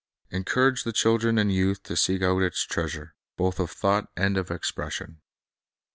Encourage the children and youth to seek out its treasures, both of thought and of expression.